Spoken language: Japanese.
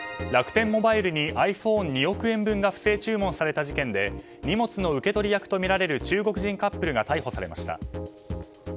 楽天モバイルにｉＰｈｏｎｅ２億円分が不正注文された事件で荷物の受け取り役とみられる中国人カップルが逮捕されました。